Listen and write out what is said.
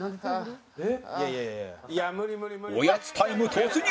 おやつタイム突入！